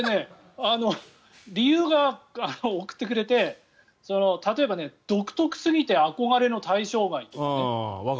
理由を送ってくれて例えば、独特すぎて憧れの対象外とかね。